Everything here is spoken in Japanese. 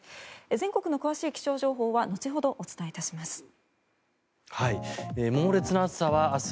全国の詳しい気象情報は後ほどお伝えします。